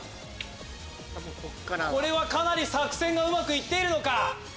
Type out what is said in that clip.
これはかなり作戦がうまくいっているのか。